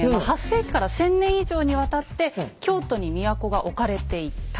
８世紀から１，０００年以上にわたって京都に都が置かれていた。